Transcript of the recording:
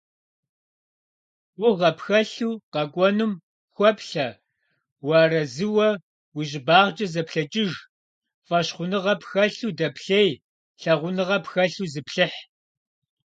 Гугъэ пхэлъу къэкӏуэнум хуэплъэ, уарэзыуэ уи щӏыбагъкӏэ зэплъэкӏыж, фӏэщхъуныгъэ пхэлъу дэплъей, лъагъуныгъэ пхэлъу зыплъыхь.